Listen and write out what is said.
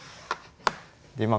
でまあ